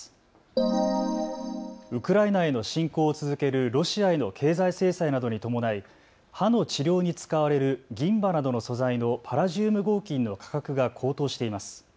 ウクライナへの侵攻を続けるロシアへの経済制裁などに伴い歯の治療に使われる銀歯などの素材のパラジウム合金の価格が高騰しています。